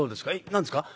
「何ですか？